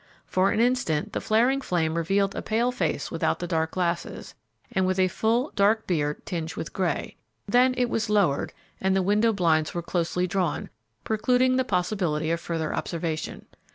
For an instant the flaring flame revealed a pale face without the dark glasses, and with a full, dark beard tinged with gray; then it was lowered and the window blinds were closely drawn, precluding the possibility of further observation.